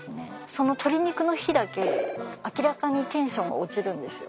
その鶏肉の日だけ明らかにテンションが落ちるんですよ。